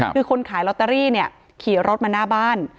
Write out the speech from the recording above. คือคนขายลอตเตอรี่เนี่ยขี่รถมาหน้าบ้าน